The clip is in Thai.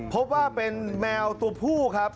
พบว่าเป็นแมวตัวผู้ครับ